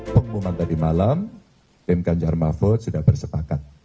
pengumuman tadi malam tim ganjar mahfud sudah bersepakat